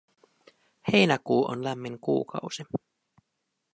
Heinäkuu on lämmin kuukausi.